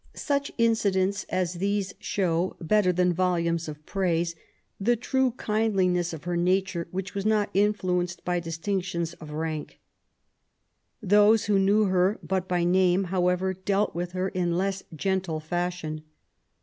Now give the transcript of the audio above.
Such incidents as 118 MABY W0LL8T0NECBAFT GODWIN. these show^ better than voluines of praise, the true kindliness of her nature which was not influenced by distinctions of rank. Those who knew her but by name, however, dealt with her in less gentle fashion.